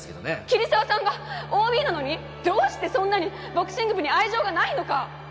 桐沢さんがＯＢなのにどうしてそんなにボクシング部に愛情がないのか！